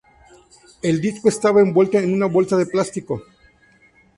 El disco estaba envuelto en una bolsa de plástico.